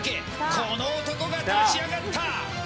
この男が立ち上がった！